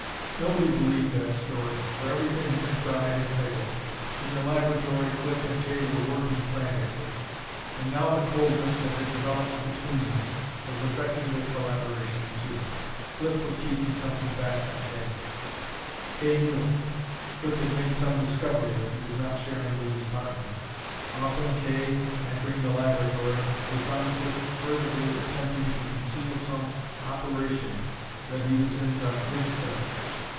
Nobody believed that story, for everything had been tried and failed. In their laboratory Cliff and Kay were working frantically. And now the coldness that had developed between them was affecting their collaboration too. Cliff was keeping something back from Kay. Kay knew it. Cliff had made some discovery that he was not sharing with his partner. Often Kay, entering the laboratory, would find Cliff furtively attempting to conceal some operation that he was in the midst of.